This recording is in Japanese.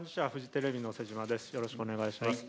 よろしくお願いします。